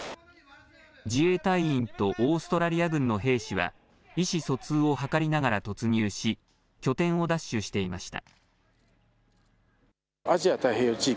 自衛隊員とオーストラリア軍の兵士は、意思疎通を図りながら突入し、拠点を奪取していました。